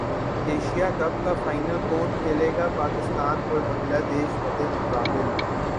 Asia cup کا final کون کھیلے گا پاکستان اور بنگلہ دیش مدمقابل